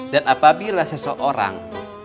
dan apabila seseorang